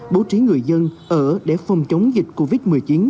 bố trí người dân ở để phòng chống dịch covid một mươi chín